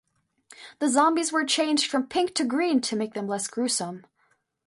The zombies were changed from pink to green to make them less gruesome.